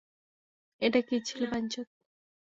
এটা কী ছিল বাইঞ্চোদ?